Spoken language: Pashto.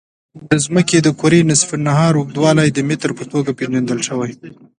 د ځمکې د کرې نصف النهار اوږدوالی د متر په توګه پېژندل شوی.